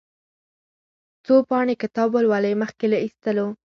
څو پاڼې کتاب ولولئ مخکې له اخيستلو.